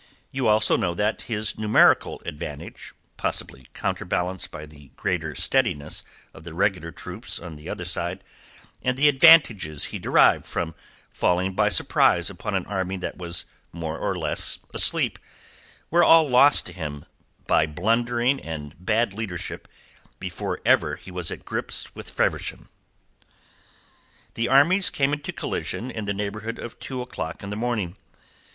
You also know that his numerical advantage possibly counter balanced by the greater steadiness of the regular troops on the other side and the advantages he derived from falling by surprise upon an army that was more or less asleep, were all lost to him by blundering and bad leadership before ever he was at grips with Feversham. The armies came into collision in the neighbourhood of two o'clock in the morning.